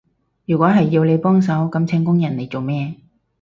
如果係要你幫手，噉請工人嚟做咩？